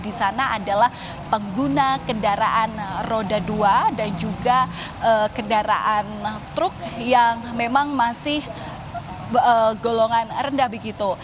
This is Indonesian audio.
di sana adalah pengguna kendaraan roda dua dan juga kendaraan truk yang memang masih golongan rendah begitu